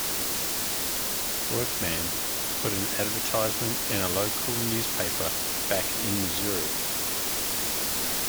Workman put an advertisement in a local newspaper back in Missouri.